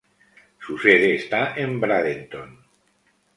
Su sede está en Bradenton.